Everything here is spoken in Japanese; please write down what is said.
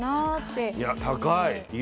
いや高い。